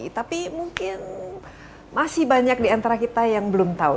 tapi mungkin masih banyak di antara kita yang belum tahu